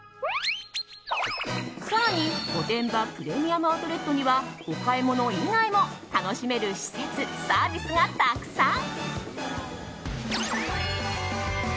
更に、御殿場プレミアム・アウトレットにはお買い物以外も楽しめる施設サービスがたくさん。